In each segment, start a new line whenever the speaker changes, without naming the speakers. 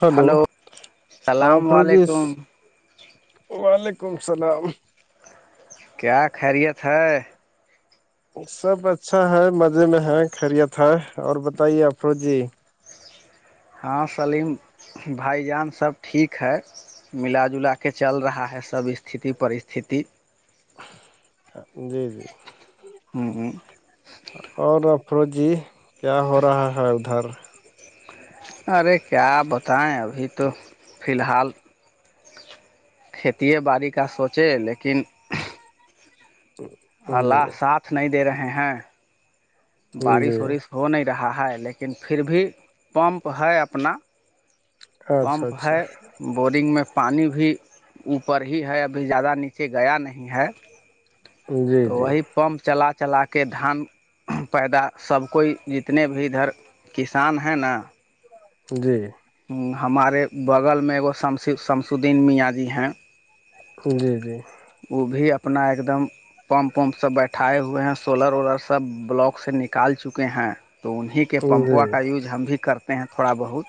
hello ہاں
السلام
فرجس
علیکم
وعلیکم السلام
کیا خیریت ہے
سب اچھا ہے مزے میں ہے خیریت ہے اور بتائیے افروج جی
ہاں سلیم بھائی جان سب ٹھیک ہے ملا جلا کے چل رہا ہے سب استھی پرستستھی
جی جی
ہوں ہوں
اور افروج جی کیا ہو رہا ہے ادھر
ارے کیا آپ بتائیں ابھی تو فی الحال کھیتیے باڑی کا سوچے لیکن
جی
اللہ ساتھ نہیں دے رہے ہیں
جی
بارش وورش ہو نہیں رہا ہے لیکن پھر بھی پمپ ہے اپنا
اچھا
پمپ
اچھا
ہے بورنگ میں پانی بھی اوپر ہی ہے ابھی زیادہ نیچے گیا نہیں ہے
جی
تو
جی
وہی پمپ چلا چلا کے دھان پیدا سب کوئی جتنے بھی ادھر کسان ہے نا
جی
ہمارے بغل میں ایکگ شم شمس الدین میاں جی ہیں
جی جی
وہ بھی اپنا ایک دم پمپ ومپ سب بیٹھائے ہوئے ہیں سولر وولر سب بلاک سے نکال چکے ہیں تو انہیں کے
جی
پمپو کا یوز ہم بھی کرتے ہیں تھوڑا بہت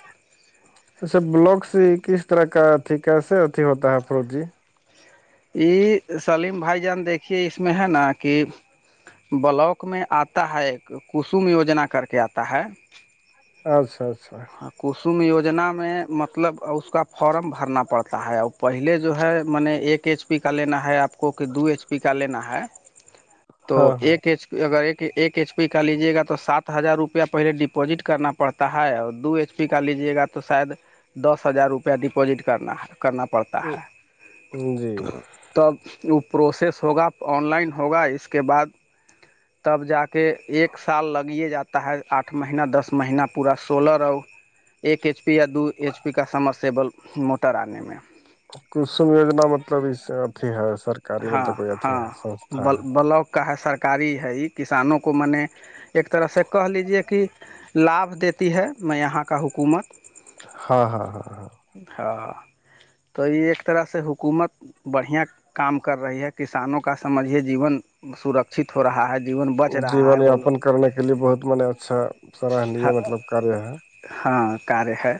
اچھا بلکس کس طرح کا ا کیسے اھی ہوتا ہے فرو جی
یہ سلیم بھائی جان دیکھیے اس میں ہے نا کہ بلاک میں آتا ہے ایک کسم یوجنا کر کے آتا ہے
اچھا اچھا
کسم یوجنا میں مطلب اس کا فارم بھرنا پڑتا ہے اور پہلے جو ہے م نے ایک ایچ پی کا لینا ہے آپ کو کہ دو ایچ پی کا لینا ہے تو
ہاں ہاں
ایک ایچ پی اگر ایک ایک ایچ پی کا لیجیے گا تو سات ہزار روپیہ پہلے ڈیپوزٹ کرنا پڑتا ہے اور دو ایچ پی کا لیجیے گا تو شاید دس ہزار روپئے ڈیپوزٹ کرنا کرنا پڑتا
تو
ہے
جی
تب وہ پروسیس ہوگا آن لائن ہوگا اس کے بعد تب جا کے ایک سال لگیے جاتا ہے آٹھ مہینہ دس مہینہ پورا سولرا
[unintelligible]
ایک ایچ پی یا دو ایچ پی کا سمرسیبل موٹر آنے میں
کسم یجنا مطلب اس اھی ہے سر
ہاں ہاں بلاک کا ہے سرکاری ہے یہ کسانوں کو میں نے ایک طرح سے کہہ لیجیے کہ لابھ دیتی ہے میں یہاں کا حکومت
ہاں ہاں ہاں ہاں
ہاں تو یہ ایک طرح سے حکومت بڑھیا کام کر رہی ہے کسانوں کا سمجھی جیون سرک ہو رہا ہے جی بہ
جیون یاپن کرنے کے لیے بہت م اچھا سرہنی ہے مطلب کاریہ ہے
ہاں کاریہ ہے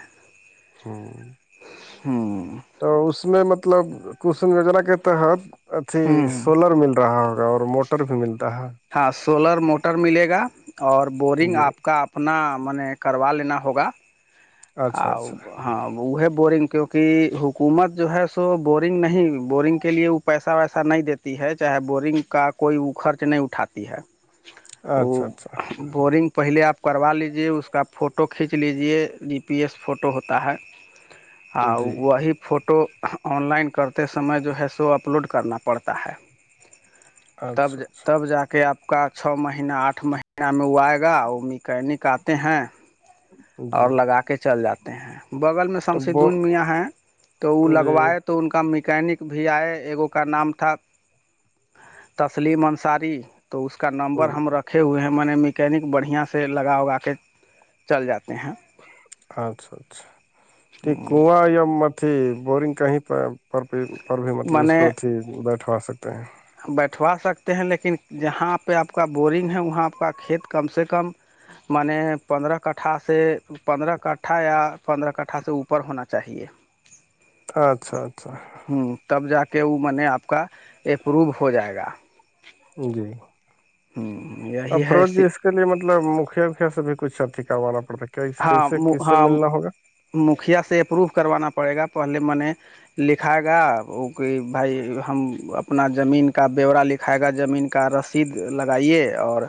ہاں
ہاں
تو اس میں مطلب کسم یوجنا کے تحت اھی
ہوں
سولر مل رہا ہوگا اور موٹر بھی ملتا ہے
ہاں سولر موٹر ملے گا اور بورنگ
جی
آپ کا اپنا م نے کروا لینا ہوگا
اچھا
اور
اچھا
ہاں وہ ہے بورنگ کیونکہ حکومت جو ہے سو بورنگ نہیں بورنگ کے لیے پیسہ ویسا نہیں دیتی ہے چاہے بورنگ کا کوئی خرچ نہیں اٹھاتی ہے
اچھا
وہ
اچھا
بورنگ پہلے آپ کروا لیجیے اس کا فوٹو کھینچ لیجیے پی ایس فوٹو ہوتا ہے اور
جی
وہی فوٹو آن لائن کرتے سمے جو ہے سو اپلوڈ کرنا پڑتا ہے تب
اچھا
ج
اچھا
تب جا کے آپ آ کا چھ مہینہ آٹھ مہینہ میں وہ آئے گا وہ میکینک آتے ہیں اور
جی
لگا کے چل جاتے ہیں بغل میں
تو
شمش
وہ
دون میاں ہیں تو وہ
جی
لگوائے تو ان کا میکینک بھی آئے ایگو کا نام تھا تسلیم انصاری تو اس کا نمبر ہم رکھ رکھے ہوئے ہیں میں نے میکینک بڑھیاں سے لگا اگا کے چل جاتے ہیں
اچھا اچھا کو یا م اھی بورنگ کہیں پر پر پر بھی مطلب
میں
اس
نے
کو اھی بیٹھوا سکتے ہیں
بیٹھوا سکتے ہیں لیکن جہاں پہ آپ کا بورنگ ہے وہاں آپ کا کھیت کم سے کم مان پندرہ کٹھا سے پندرہ کٹھا یا پندرہ کٹھا سے اوپر ہونا چاہیے
اچھا اچھا
ہوں تب جا کے وہ میں نے آپ کا اپروو ہو جائے گا
جی
ہوں یہی
افروج
ہے
جی اس کے لیے مطلب مکھیا وکھیا سے بھی کچھ اتیھی کروا پڑتا کیا
ہاں
اسے کس سے
ہاں
ملنا ہوگا
مکھیا سے اپرو کروانا پڑے گا پہلے میں نے لکھائے گا وہ کہ بھائی ہم اپنا زمین کا بیورورا لکھ کھائے گہ زمین کا رسید لگائیے اور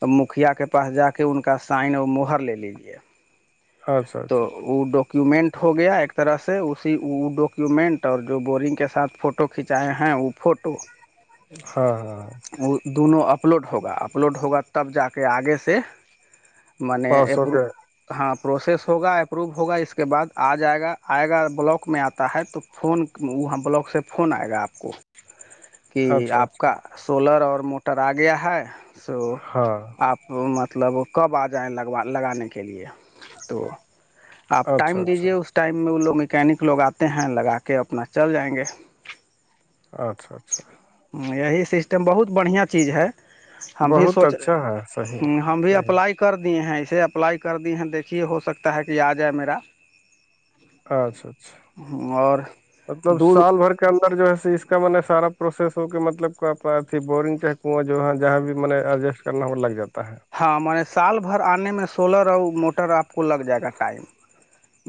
اور مکھیا کے پاس جا کے ان کا سائن اور مہر لے لیجے
اچھا اچھا
وہ ڈاکیومنٹ ہو گیا ایک طرح سے اسی ڈاکیومنٹ اور جو بورنگ کے ساتھ فوٹو فوٹو کھنچائے ہیں وہ فوٹو
ہاں ہاں ہاں
وہ دونوں اپلوڈ ہوگا اپلوڈ ہوگا تب جا کے آگے سے مان نے
پانچ سو
اپو
کے
ہاں پروسس ہوگا اپروو ہوگا اس کے بعد آ جائے گا آئے گا بلاک میں آتا ہے تو فون وہ ہم بلاک سے فون آئے گا آپ کو
[inaudible]
کہ آپ
اچھا
کا سولر اور موٹر آ گیا ہے سو
ہاں
آپ مطلب کب آ جائیں لگوا لگانے کے لیے تو آپ
اچھا
ٹائم
اچھا
دیجیے اس ٹائم میں وہ لوگ مکینک لوگ آتے ہیں لگا کے اپنا چل جائیں گے
اچھا اچھا
ہوں یہی سسٹم بہت بڑھیاں چیز ہے ہم بھی
بہت
سوچ
اچھا ہے
ہ
صحیح
ہم بھی
صحیح
اپلائی کر دیے ہیں اسے اپلائی کر دیے ہیں دیکھیے ہو سکتا ہے کہ آ جائے میرا
اچھا اچھا
اور
مطلب
دودھ
سال بھر اندر جو ہے اس کا میں نے سارا پروسیس ہو کہ مطلب کو آپھی بورنگ چاہ کنواں جو ہےاں جہاں بھی میں نے ایڈجسٹ کرنا ہوا لگ جاتا ہے
ہاں میںے سال بھر آنے میں سولر اور موٹر آپ کو لگ جائے گا ٹائم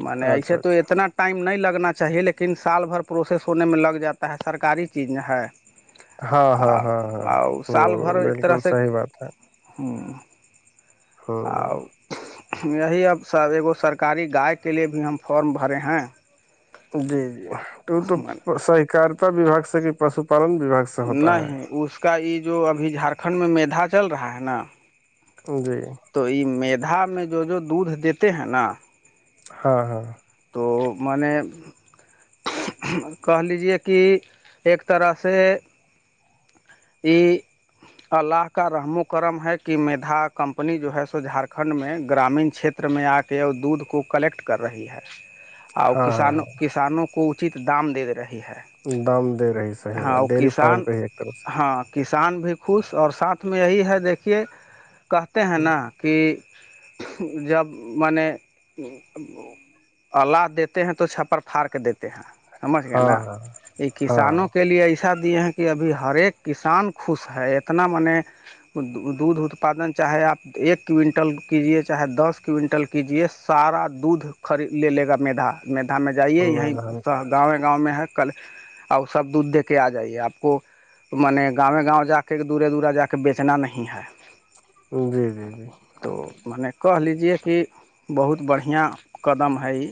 م نے ایسے
اچھا
تو
اچھا
اتنا ٹائم نہیں لگنا چاہیے لیکن سال بھر پروسیس ہونے میں لگ جاتا ہے سرکاری چیز ہے
ہاں ہاں ہاں ہاں ہ
سال بھر ایک طرح
بالکل
سے
صحیح بات ہے
ہاں
ہ
اور یہی اب سب ایگ سرکاری گائے کے لیے بھی ہم فارم بھرے ہیں
جی جی تو تو سہکارتا وباگ سے کہ پشو پالن وھاگ سے ہوتا
نہیں
ہے
اس کا یہ جو ابھی جھارکھنڈ میں مھا چل رہا ہے نا
جی
تو یہ میدا میں جو جو دودھ دیتے ہیں نا
ہاں ہاں
تو م نے کہ لیجے کہ ایک طرح سے یہ اللہ کا رحم و کرم ہے کہ مھا کمپنی جو ہے سو جھارکھنڈ میں گرامین چھیت چر میں آ کے وہ دودھ کو کلیکٹ کر رہی ہے اور
ہاں
کسانوں
ہاں
کسانوں کو اچت دام دے دے رہی ہے
دام دے رہی صحیح
ہاں
بات
اور
ڈیری فارم
کسان
کای ایک طرف سے
ہاں کسان بھی خوش اور ساتھ میں یہی ہے دیکھیے کہتے ہیں نا کہ جب مانے اللہہ دیتے ہیں تو چھپر پھاڑ کے دیتے ہیں سمجھ گئے نا
ہاں
یہ
ہاں
کسانوں کے لیے اچھا دی ہیں کہ ابھی ہر ایک کسان خوش ہے اتنا م نے دودھ اتپادن چاہے آپ ایک کونٹل کیجیے چاہے دس کونٹل کیجیے سارا دودھ خری لے لے گا مھا میدا میں جائیے یہیں
ہاں
گاؤں گاؤں میں ہے کل آ سب دودھ دے کے آ جائیے آپ کو مان گاوں گاؤں جا کے دورے دورہ جا کے بیچنا نہیں ہے
جی جی جی
تو م نے کہہ لیجیے کہ بہت بڑھیا قدم ہے یہ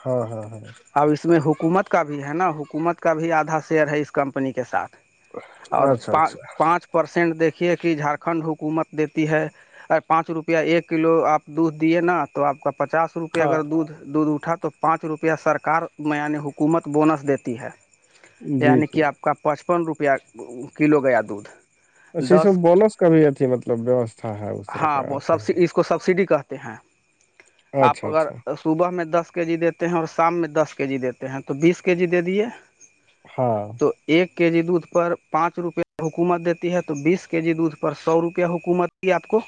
ہاں ہاں ہاں
اب اس میں حکومت کا بھی ہے نا حکومت کا بھی آدھا شیئر ہے اس کمپنی کے ساتھ اور
ہاں اچھا
پان
اچھا
پانچ پرسینٹ دیکھیے کہ جھارکھنڈ حکومت دیتی ہے ارے پانچ روپیہ ایک کلو آپ دودھ دیے نا تو آپ کا پچاس روپ
ہاں
اگر دودھ دودھ اٹھا تو پانچ روپیہ سرکار میان حکومت بونس دیتی ہے
جی
یعنی کہ
جی
آپ کا پچپن روپیہ کلو گیا دودھ
س
دس
بونس کا بھی اھی مطلب ووستھا ہے اس طرح کا
ہاں
ا
وہ سب اس کو سبسڈی کہتے ہیں آپ
اچھا
اگر
اچھا
صبح میں دس کے جی دیتے ہیں اور شام میں دس کے جی دیتے ہیں تو بیس کے جی دے دیے
ہاں
ایک کے جی دودھ پر پانچ روپئے حکومت دیتی ہے تو بیس کے جی دودھ پر سو روپئے حکومت جی آپ کو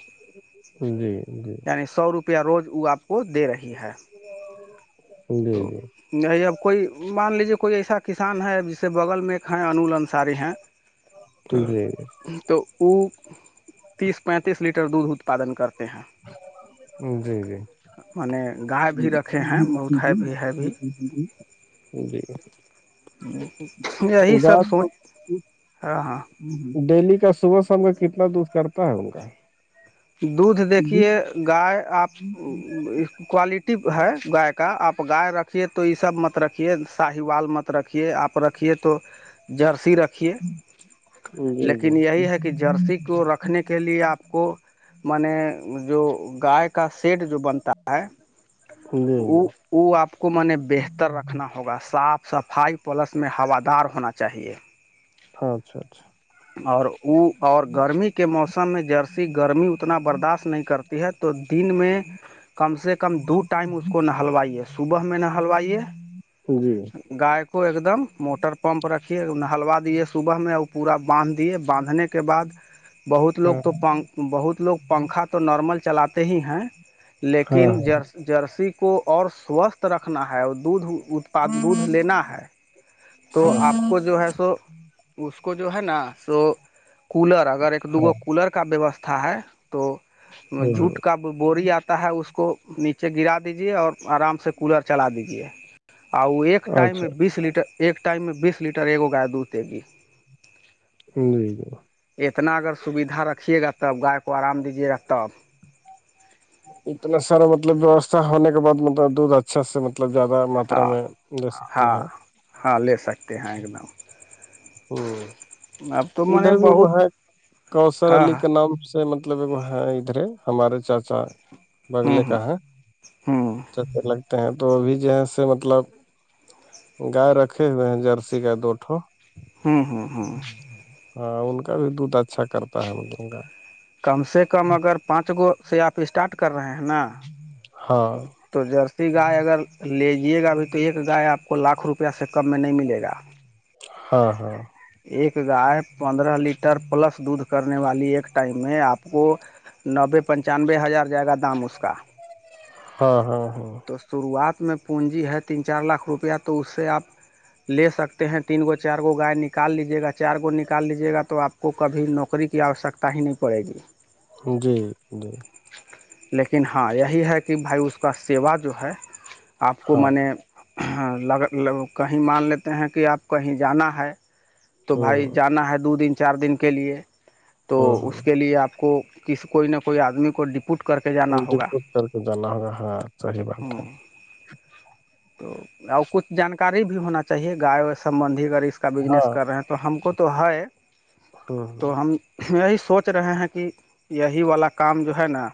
جی جی
یعنی سو روپیہ روز وہ آپ کو دے رہی ہے
جی
تو
جی
نہیں اب کوئی مان لیجیے کوئی ایسا کسان ہے ا جسے بغل میں ایک ہیں انول انساری ہیں ہ
جی
تو وہ تیس پینتیس لیٹر دودھ اتپادن کرتے ہیں
ہ جی جی
مان نے گائے بھی رکھے ہیں بہت ہے بھی ہے بھی
جی جی جی
یہی سب
گاس تو
سوچ رہ ہاں
ڈیلی کا صبح شام کا کتنا دھ کرتا ہے ان کا
دھ
جی
دیکھیے گائے آپ کوالٹی ہے گائے کا آپ گائے رکھیے تو یہ سب مت رکھیے شاہی والال مت رکھیے آپ رکھیے تو جرسی رکھیے
جی
لیکن یہی ہے کہ جرسی کو رکھنے کے لیے آپ کو میں نے جو گائے کا سیٹ جو بنتا ہے
جی جی
وہ
جی
وہ آپ کو میں نے بہتر رکھنا ہوگا صاف صفائی پلس میں ہو دار ہونا چاہیے
ہاں اچھا اچھا
اور وہ اور گرمی کے موسم میں جرسی گرمی اتنا برداشت نہیں کرتا ہے تو دن میں کم سے کم دو ٹائم اس کو نہلوائیے صبح میں نہلوائیے
جی
گائے کو ایک دم موٹر پمپ رکھیے ہلوا دیے صبح میں ا پورا باندھ دیے باندھنے کے بعد بہت لوگ
ہاں
تو پن بہت لوگ پنکھا تو نارمل چلاتے ہی ہیں
ہاں
لیکن جس جرسی کو اور سوستھ رکھنا ہے اور دودھ اتپاد دودھ لینا ہے تو
ہاں
آپ کو جو ہے سو اس کو جو ہے نا سو کولر اگر ایک دوگو کولر کا ویوستھا ہے تو
ہاں ہاں
جوٹ کا بوری آتا ہے اس کو نیچے گرا دیجیے اور آرام سے کولر چلا دیجیے آ وہ ایک ٹائم
اچھا
ایک ٹائم میں بیس لیٹر ایک گائے دودتےے گی
نہیں جا
اتنا اگر سویدھا رکھیے گا تب گائے کو آرام دیجیے گا تب
اتنا سارا مطلب ویوستھا ہونے کے بع مطلب دودھ اچھا اچھا سے مطلب زیادہ ماترا
ہاں
میں لے سکتے
ہاں
ہیں
ہاں لے سکتے ہیں ایک دم
ہ
اب تو میں
ادھر
نے
بھی ایک
بہت
ہے کوثر
ہاں
علی
ہاں
کا نام مطلب ہے ادھرے ہمارے چاچا
ہوں
بگلے کا ہے
ہوں ہوں
اے لگتے ہیں تو ابھی جو ہے س مطلب گائے رکھے ہوئے ہیں جرسی کا دوٹھو
ہاں ہاں ہاں
ہاں ان کا بھی دودھ اچھا کرتا ہے مط کا
کم سے کم اگر پانچ گو سے آپ اسٹارٹ کر رہے ہیں نا
ہاں
تو جرسی گائے اگر لیجیے گا ابھی تو ایک گائے آپ کو لاکھ روپیہ سے کم میں نہیں ملے گا
ہاں ہاں
ایک گائے پندرہ لیٹر پلس دودھ کرنے والی ایک ٹائم میں آپ کو نوے پنچانوے ہزار جائے گا دام اس کا
ہاں ہاں ہاں
تو شروعات میں پونجی ہے تین چار لاکھ روپیہ تو اس سے آپ لے سکتے ہیں تین گو چار گو گائے نکال لیجیے گا چار گو نکال لیجیے گا تو آپ کو کبھی نوکری کی آوشکتا ہی نہیں پڑے گی
جی جی
لیکن ہاں یہی ہے کہ بھائی اس کا سیوا جو ہے آپ کو
ہاں
میں نے لگ کہیں مان لیتے ہیں کہ آپ کہیں جانا ہے تو
ہ
بھائی جانا ہے دو دن چار دن کے لیئے تو
ہ
اس کے لیے آپ کو کسی کوئی نہ کوئی آدمی کو ڈپوٹ کر جانا
ان کے
ہوگا
کر کے جانا ہوگا ہاں صحی بات ہے
تو اور کچھ جانکاری بھی ہونا چاہیے گائے و سمبندھی اگر اس کا بزنس
ہاں
کر رہے ہیں تو تو ہم کو تو ہے
ہ
تو ہم یہی سوچ رہے ہیں کہ یہی والا کام جو ہے نا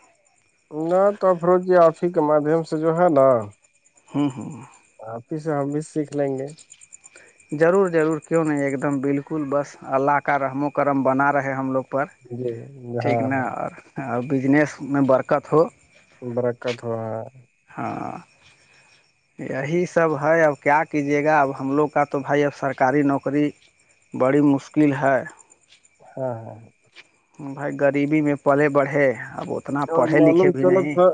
نہ تو افروج جی آپ ہی کے مادھیم سے جو ہے نا
ہاں ہاں
آپ ہی سے ہم بھی سیکھ لیں گے
ضرور ضرور کیوں نہیں ایک دم بالکل بس اللہ کا رحم و کرم بنا رہے ہم لوگ پر
جی ہاں
ٹھیک ن
ہاں
اور بجنس میں برکت ہو
برکت ہوا
ہاں
[inaudible]
یہی سب ہے اب کیا کیجیے گا اب ہم لوگ کا تو بھائی اب سرکاری نوکری بڑی مشکل ہے
ہاں ہاں ہاں
بھائی غریبی میں پلے بڑھے اب اتنا
اور
پڑھے لکھے
معلوم
بھی
کیا الگ
نہیں
تھا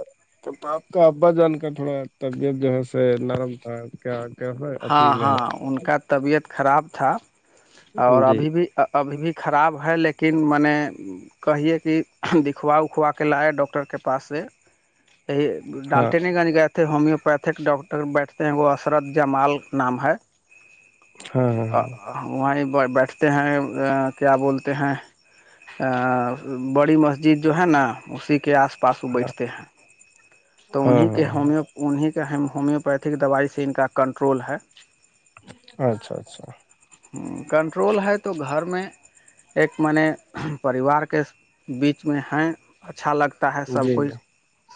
آپ کا ابا جان کا تھوڑا طبیعت جو ہے س نرم تھا کیا کیا ہو اھی
ہاں
میں
ہاں
ہے
ان کا طبیعت خراب تھا اور
ہے جی
ابھی بھی ابھی بھی خراب ہے لیکن میں نے کہیے کہ دکھوا وکھوا کے لا ڈاکٹر کے پاس سے یہی
ہاں
ڈالٹین گنج گئے تھے ہومیوپیتھک ڈاکٹر بیٹھتے ہیں وہ عصرت جمال نام ہے
ہاں ہاں ہاں
وہیں بیٹھتے ہیں کیا بولتے ہیں ا بڑی مسجد جو ہے نا اسی کے آس پا پاسو بیٹھتے ہیں تو
ہاں ہاں
انہیں کے
ہاں
ہومیو پتھ انہیں کے ہومیوپیتھک دوائی سے ان کا کنٹرول ہے
اچھا اچھا
کنٹرول ہے تو گھر میں ایک میں نے پریوار کے بیچ میں ہیں اچھا لگتا پتا ہے سب
جی
کوئی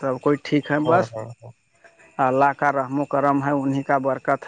سب کوئی ٹھیک ہے
ہاں
بس
ہاں
اللہ کا رحم و کرم ہے انہیں کا برکت ہے